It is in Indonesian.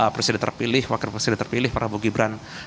presiden terpilih wakil presiden terpilih prabowo gibran